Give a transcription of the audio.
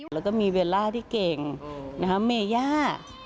แล้วก็มีเวลล่าที่เก่งเมย่า